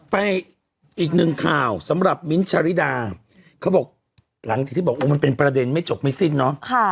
ไปอีกหนึ่งข่าวสำหรับมิ้นท์ชาริดาเขาบอกหลังจากที่บอกมันเป็นประเด็นไม่จบไม่สิ้นเนาะ